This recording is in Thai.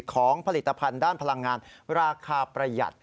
ของผลิตภัณฑ์ด้านพลังงานราคาประหยัด